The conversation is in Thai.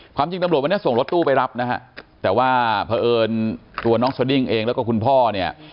จริงตำรวจวันนี้ส่งรถตู้ไปรับนะฮะแต่ว่าเพราะเอิญตัวน้องสดิ้งเองแล้วก็คุณพ่อเนี่ย